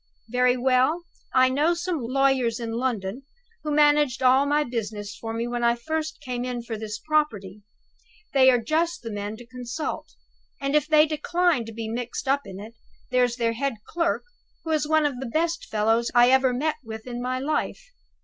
Very well, I know some lawyers in London who managed all my business for me when I first came in for this property; they are just the men to consult. And if they decline to be mixed up in it, there's their head clerk, who is one of the best fellows I ever met with in my life.